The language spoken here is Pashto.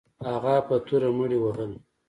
هغه په توره مړي وهل.